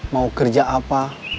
mau kerja apa